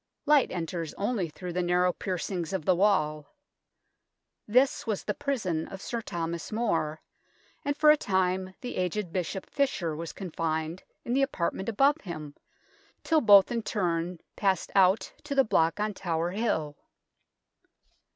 Light enters only through the narrow piercings of the wall. This was the prison of Sir Thomas More, and for a time the aged Bishop Fisher was confined in the apartment above him, till both in turn passed out to the block on Tower Hill.